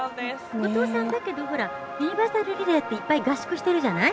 後藤さん、だけどユニバーサルリレーっていっぱい合宿しているじゃない。